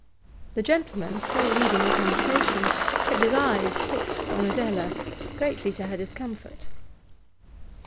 The gentleman, still leading the conversation, kept his eyes fixed on Adela, greatly to her discomfort.